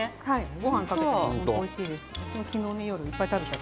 ごはんにかけてもおいしいです。